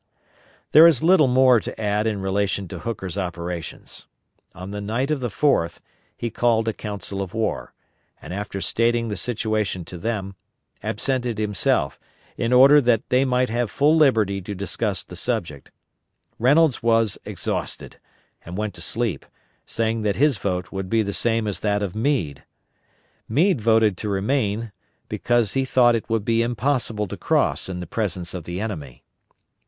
There is little more to add in relation to Hooker's operations. On the night of the 4th, he called a council of war, and after stating the situation to them, absented himself, in order that they might have full liberty to discuss the subject. Reynolds was exhausted, and went to sleep, saying that his vote would be the same as that of Meade. Meade voted to remain, because he thought it would be impossible to cross in the presence of the enemy.